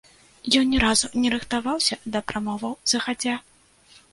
Ён ні разу не рыхтаваўся да прамоваў загадзя.